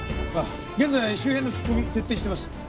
現在周辺の聞き込み徹底してます。